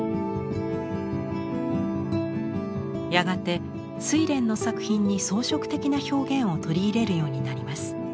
やがて「睡蓮」の作品に装飾的な表現を取り入れるようになります。